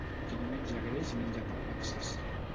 Qui no menja greix menja pa amb excés.